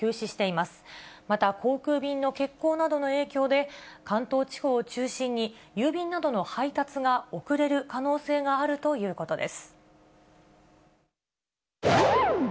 また航空便の欠航などの影響で、関東地方を中心に郵便などの配達が遅れる可能性があるということです。